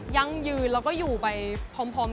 ยังยืนแล้วก็อยู่ไปพร้อม